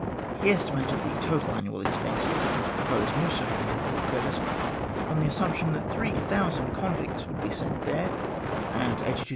He estimated the total annual expenses of his proposed new settlement at Port Curtis, on the assumption that three thousand convicts would be sent there, at 82,304, 17s.